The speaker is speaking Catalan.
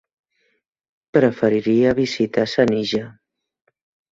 Preferiria visitar Senija.